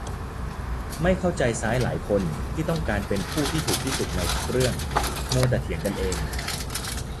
ไม่เข้าใจซ้ายหลายคนที่ต้องการเป็นผู้ที่ถูกที่สุดในทุกเรื่อง มัวแต่เถียงกันเอง